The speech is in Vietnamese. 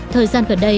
thời gian gần đây